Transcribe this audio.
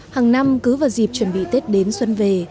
hàng năm cứ vào dịp chuẩn bị tết đến xuân về